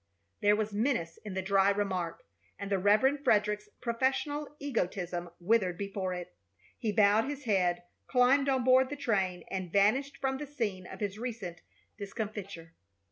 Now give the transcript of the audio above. There was menace in the dry remark, and the Reverend Frederick's professional egotism withered before it. He bowed his head, climbed on board the train, and vanished from the scene of his recent discomfiture.